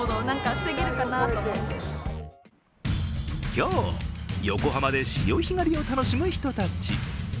今日、横浜で潮干狩りを楽しむ人たち。